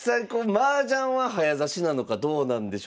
マージャンは早指しなのかどうなんでしょうね。